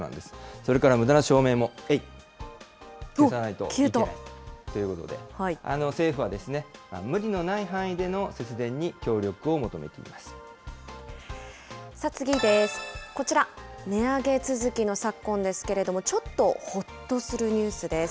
それからむだな照明も、えい、消さないと。ということで、政府は、無理のない範囲での節電に協力を求めてい次です、こちら、値上げ続きの昨今ですけれども、ちょっとほっとするニュースです。